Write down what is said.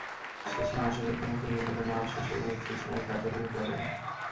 শেষে মশকের পানি ফুরিয়ে গেলে মা ও শিশু উভয়ে তৃষ্ণায় কাতর হয়ে পড়েন।